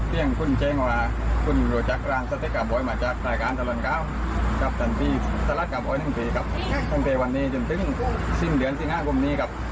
พี่บ้าวพี่สิน